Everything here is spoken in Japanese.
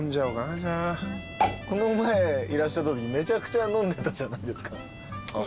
この前いらっしゃったときめちゃくちゃ飲んでたじゃないですか。